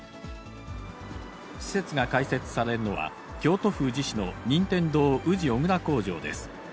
施設が開設されるのは、京都府宇治市の任天堂宇治小倉工場です。